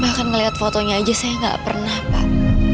bapak akan melihat fotonya aja saya nggak pernah pak